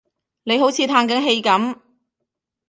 你好似歎緊氣噉